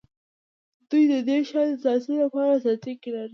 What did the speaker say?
دوی د دې شیانو د ساتلو لپاره ساتونکي لري